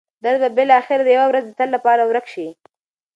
درد به بالاخره یوه ورځ د تل لپاره ورک شي.